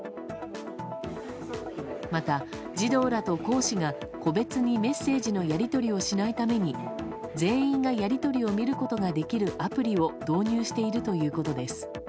また、児童らと講師が個別にメッセージのやり取りをしないために、全員がやり取りを見ることができるアプリを導入しているということです。